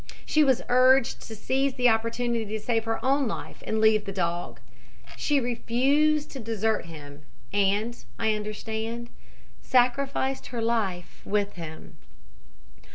She was urged to seize the opportunity to save her own life and leave the dog. She refused to desert him and, I understand, sacrificed her life with him.